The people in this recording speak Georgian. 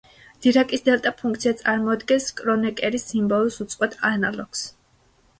დირაკის დელტა ფუნქცია წარმოადგენს კრონეკერის სიმბოლოს უწყვეტ ანალოგს.